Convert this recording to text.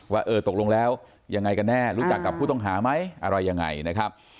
ว่าเออตกลงแล้วยังไงกันแน่รู้จักกับผู้ต้องหาไหมอะไรยังไงนะครับ